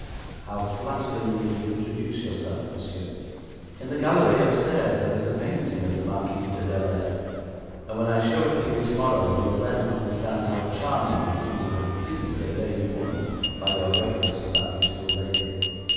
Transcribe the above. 'How flatteringly you introduce yourself, monsieur. In the gallery upstairs there is a painting of the Marquise de Bellairs, and when I show it to your tomorrow, you will then understand how charmingly you have pleased a vain woman by your reference to that beautiful lady.